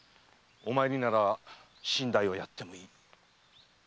お前になら身代をやってもいい〕